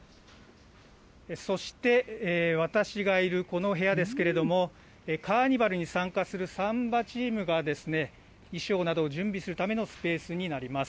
そして私がいるこの部屋ですけれども、カーニバルに参加するサンバチームがですね、衣装などを準備するためのスペースになります。